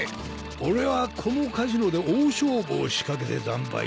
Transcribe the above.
俺はこのカジノで大勝負を仕掛けて惨敗した。